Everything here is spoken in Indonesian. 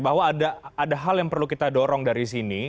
bahwa ada hal yang perlu kita dorong dari sini